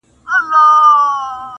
نه یې شرم وو له کلي نه له ښاره-